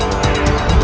jangan terlalu langsung